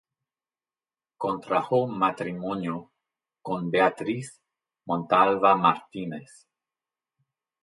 Contrajo matrimonio con Beatriz Montalva Martínez.